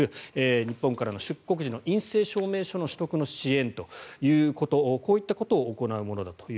日本からの出国時の陰性証明書の取得の支援ということこういったことを行うものだと。